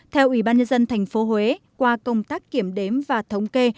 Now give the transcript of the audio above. theo ủy ban nhân dân thành phố huế qua công tác kiểm đếm và thống kê